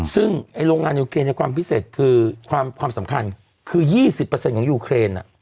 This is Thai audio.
ซึ่งโรงงานยูเครนในความพิเศษคือความสำคัญคือ๒๐ของยูเครน